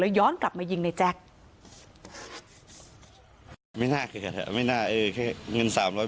ย้อนกลับมายิงในแจ๊คไม่น่าเกิดเถอะไม่น่าเออแค่เงินสามร้อย